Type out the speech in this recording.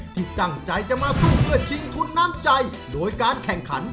ที่ตั้งใจจะมาสู้เพื่อชิงทุนน้ำใจโดยการแข่งขัน